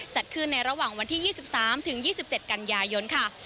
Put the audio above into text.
จัดขึ้นในระหว่างวันที่๒๓ถึง๒๗กันยายนค่ะ